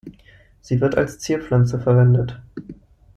Sie wird als Zierpflanze verwendet.